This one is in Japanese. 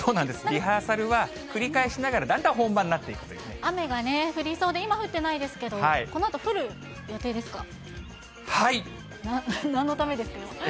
リハーサルは、繰り返しながら、だんだん本番になっていくという雨がね、降りそうで、今降ってないですけど、このあと降る予定ですか？